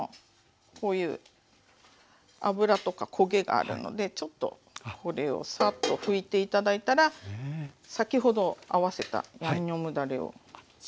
こういう油とか焦げがあるのでちょっとこれをサッと拭いて頂いたら先ほど合わせたヤンニョムだれを煮立てますね一回。